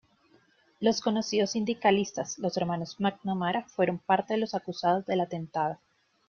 Los conocidos sindicalistas, los hermanos McNamara, fueron parte de los acusados del atentado.